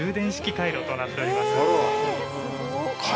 カイロとなっております。